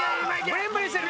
ブリンブリンしてる！